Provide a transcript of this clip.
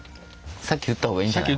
先言った方がいいんじゃない。